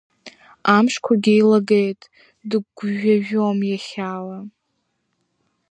Амшқәагь еилгеит, дыгәжәажәом иахьала…